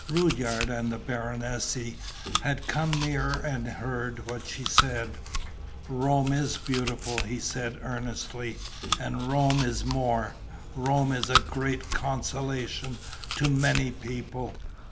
Rudyard and the Baronesse had come nearer and heard what she said: "Rome is beautiful," he said, earnestly. "And Rome is more. Rome is a great consolation to many people."